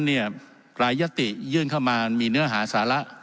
รายยติยื่นเข้ามามีเนื้อหาสาระ